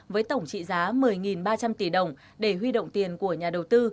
với tổng trị giá một mươi ba trăm linh tỷ đồng để huy động tiền của nhà đầu tư